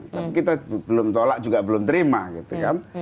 tapi kita belum tolak juga belum terima gitu kan